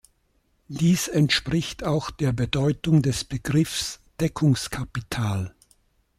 Dies entspricht auch der Bedeutung des Begriffs „Deckungskapital“.